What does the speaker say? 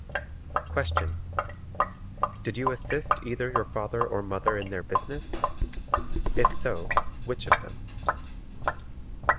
Question. DID YOU ASSIST EITHER YOUR FATHER OR MOTHER IN THEIR BUSINESS? IF SO, WHICH OF THEM?